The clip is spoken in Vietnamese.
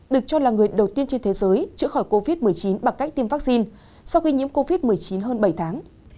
được cho là người đầu tiên trên thế giới chữa khỏi covid một mươi chín bằng cách tiêm vaccine sau khi nhiễm covid một mươi chín hơn bảy tháng